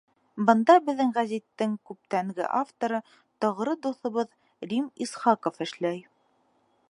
Бында беҙҙең гәзиттең күптәнге авторы, тоғро дуҫыбыҙ Рим Исхаҡов эшләй.